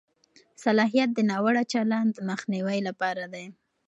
صلاحیت د ناوړه چلند مخنیوي لپاره دی.